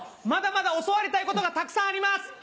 まだまだ教わりたいことがたくさんあります！